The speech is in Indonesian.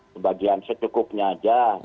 sebagian setekuknya aja